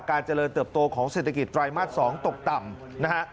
เจริญเติบโตของเศรษฐกิจไตรมาส๒ตกต่ำนะฮะ